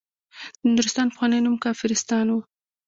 د نورستان پخوانی نوم کافرستان و.